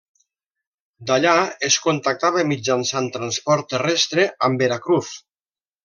D'allà es contactava mitjançant transport terrestre amb Veracruz.